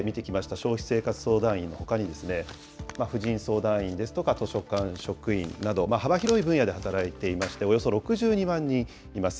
消費生活相談員のほかに、婦人相談員ですとか図書館職員など、幅広い分野で働いていまして、およそ６２人万人います。